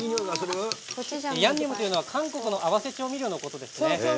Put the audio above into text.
ヤンニョムというのは韓国の合わせ調味料のことです。